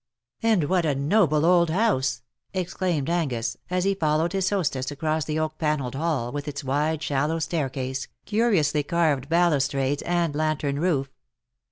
^''^ And what a noble old house !'' exclaimed Angus, as he followed his hostess across the oak panelled hall, with its wide shallow staircase, curiously carved balustrades, and lantern roof.